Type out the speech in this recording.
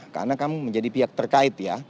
karena kami menjadi pihak terkait ya